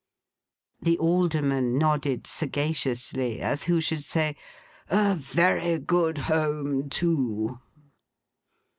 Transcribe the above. The Alderman nodded sagaciously, as who should say, 'A very good home too!